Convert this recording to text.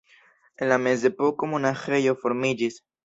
En la mezepoko monaĥejo formiĝis.